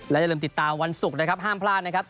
และอย่าลืมติดตามวันศุกร์นะครับห้ามพลาดนะครับ